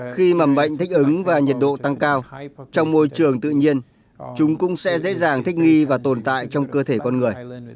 khi mầm bệnh thích ứng và nhiệt độ tăng cao trong môi trường tự nhiên chúng cũng sẽ dễ dàng thích nghi và tồn tại trong cơ thể con người